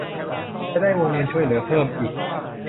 จะได้วงเงินช่วยเหลือเพิ่มอีก